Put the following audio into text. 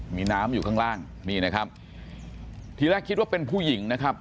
มีน้ำอยู่ข้างล่างนี่นะครับทีแรกคิดว่าเป็นผู้หญิงนะครับ